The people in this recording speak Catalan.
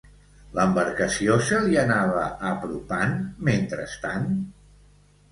L'embarcació se li anava apropant, mentrestant?